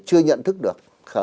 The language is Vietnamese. chưa nhận thức được